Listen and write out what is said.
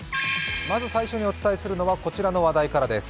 最初にお伝えするのはこちらの話題からです。